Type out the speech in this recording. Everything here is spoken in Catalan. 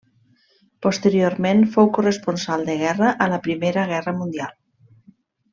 Posteriorment fou corresponsal de guerra a la Primera Guerra Mundial.